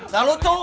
da lu tuh